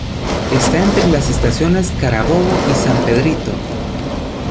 Está entre las estaciones Carabobo y San Pedrito.